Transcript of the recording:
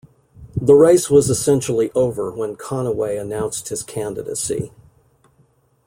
The race was essentially over when Conaway announced his candidacy.